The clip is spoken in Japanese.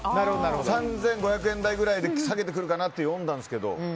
３５００円台ぐらいで下げてくるかなと読んだんですけど。